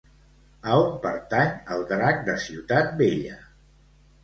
A on pertany el Drac de Ciutat Vella?